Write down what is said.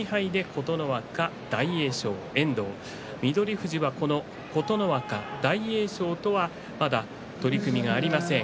富士は琴ノ若、大栄翔とはまだ取組がありません。